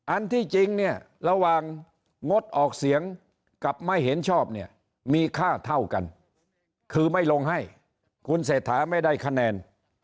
อันที่จริงเนี่ยระหว่างงดออกเสียงกับไม่เห็นชอบเนี่ยมีค่าเท่ากันคือไม่ลงให้คุณเศรษฐาไม่ได้คะแนน